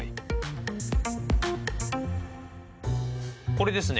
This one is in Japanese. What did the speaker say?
これですね。